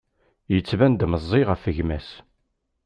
Yettban-d meẓẓi ɣef gma-s.